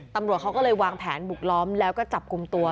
ตำรวจเขาก็เลยวางแผนบุกล้อมแล้วก็จับกลุ่มตัว